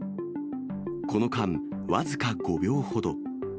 この間、僅か５秒ほど。